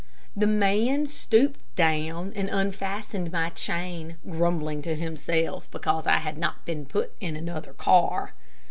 The man stooped down and unfastened my chain, grumbling to himself because I had not been put in another car.